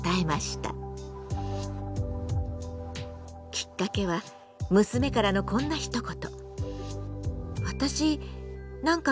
きっかけは娘からのこんなひと言。